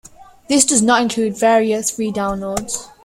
This does not include various free downloads.